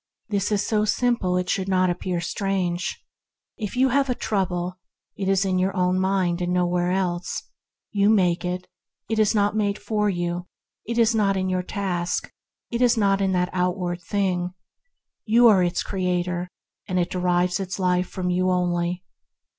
This is so simple it should not appear strange. If you have a trouble it is in your own mind, and nowhere else; you make it, it is not made for you; it is not in your task; it is not in that out ward thing. You are its creator, and it derives its life from you only.